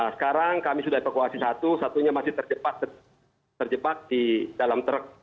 sekarang kami sudah evakuasi satu satunya masih terjebak di dalam truk